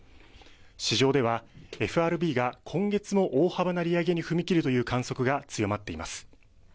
市場ではＦＲＢが今月も大幅な利上げに踏み切るという観測が強まっています。